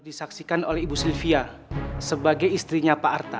disaksikan oleh ibu sylvia sebagai istrinya pak arta